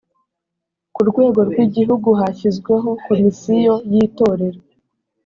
ku rwego rw igihugu hashyizweho komisiyo yitorero